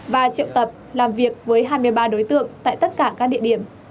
và triệu tập làm việc với hai mươi ba đối tượng tại tất cả các địa điểm